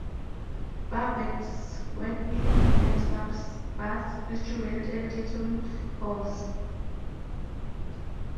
Bar-backs work in nightclubs, bars, restaurants and catering halls.